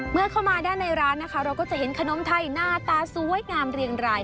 เมื่อเข้ามาด้านในร้านนะคะเราก็จะเห็นขนมไทยหน้าตาสวยงามเรียงราย